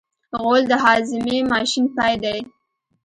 غول د هاضمې ماشین پای دی.